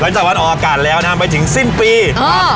ค่ะหลังจากวันออกอากาศแล้วนะครับไปถึงสิ้นปีเออ